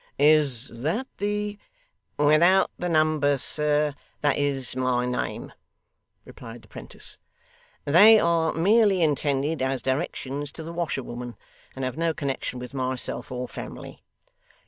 Is that the ' 'Without the numbers, sir, that is my name,' replied the 'prentice. 'They are merely intended as directions to the washerwoman, and have no connection with myself or family.